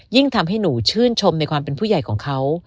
ทำให้หนูชื่นชมในความเป็นผู้ใหญ่ของเขา